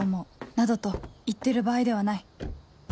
などと言ってる場合ではない